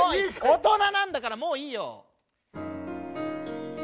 大人なんだからもういいよ。